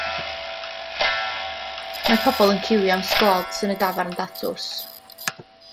Mae pobl yn ciwio am sglods yn Y Dafarn Datws.